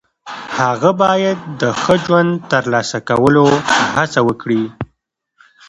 هغه باید د ښه ژوند د ترلاسه کولو هڅه وکړي.